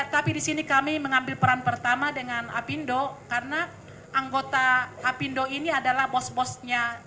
tapi di sini kami mengambil peran pertama dengan apindo karena anggota apindo ini adalah bos bosnya